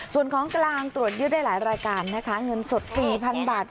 ส่วนของกลางตรวจยึดได้หลายรายการนะคะเงินสด๔๐๐๐บาท